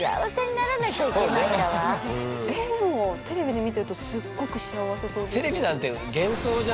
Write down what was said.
あたしたちえでもテレビで見てるとすっごく幸せそうです。